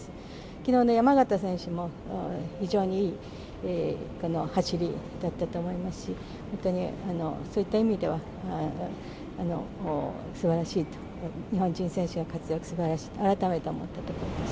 きのうの山縣選手も、非常にいい走りだったと思いますし、本当にそういった意味ではすばらしいと、日本人選手の活躍すばらしい、改めて思ったところです。